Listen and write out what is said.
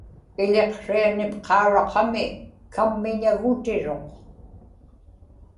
iḷiqsrianipqauraqami kammiñagutiruq